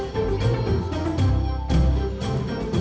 เพื่อนรับทราบ